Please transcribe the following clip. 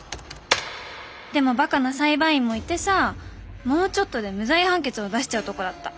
でもばかな裁判員もいてさもうちょっとで無罪判決を出しちゃうとこだった。